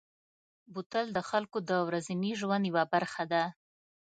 بوتل د خلکو د ورځني ژوند یوه برخه ده.